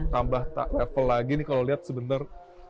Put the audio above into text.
tambah level lagi nih kalau lihat sebentar